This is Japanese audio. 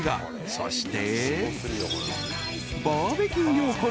そして］